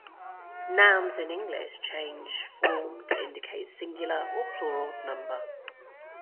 Nouns in English change form to indicate singular or plural number.